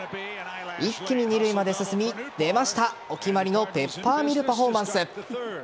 一気に二塁まで進み出ました、お決まりのペッパーミルパフォーマンス。